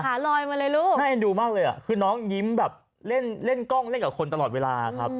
ลอยมาเลยลูกน่าเอ็นดูมากเลยอ่ะคือน้องยิ้มแบบเล่นเล่นกล้องเล่นกับคนตลอดเวลาครับ